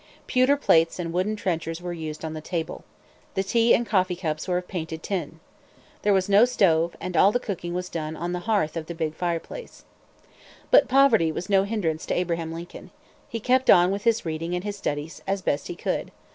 Pewter plates and wooden trenchers were used on the table. The tea and coffee cups were of painted tin. There was no stove, and all the cooking was done on the hearth of the big fireplace. But poverty was no hindrance to Abraham Lincoln. He kept on with his reading and his studies as best he could.